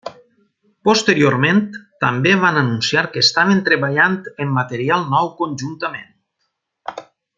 Posteriorment també van anunciar que estaven treballant en material nou conjuntament.